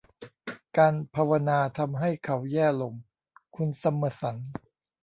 การภาวนาทำให้เขาแย่ลง คุณซัมเมอร์สัน